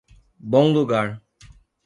Bom Lugar